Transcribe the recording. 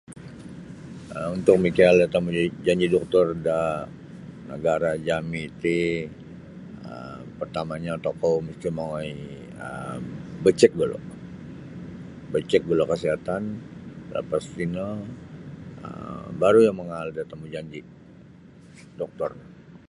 um untuk mikiaal da tamujanji' doktor da nagara' jami ti um partamanyo tokou misti' mongoi um bachik gulu' bachik gulu' kasihatan lapas tino um baru iyo mangaal da tamujanji' doktor.